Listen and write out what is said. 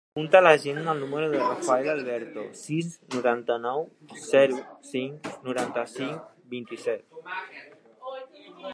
Apunta a l'agenda el número del Rafael Alberto: sis, noranta-nou, zero, cinc, noranta-cinc, vint-i-set.